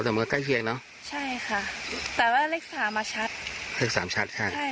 ขอแต่มือใกล้เชียงเนอะ